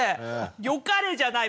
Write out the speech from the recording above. よかれじゃない！